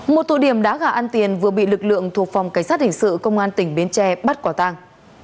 một thủ điểm đá gạo ăn tiền vừa bị lực lượng thuộc phòng cảnh sát hình sự công an tỉnh bến tre bắt quả tang